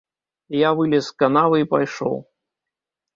Я вылез з канавы і пайшоў.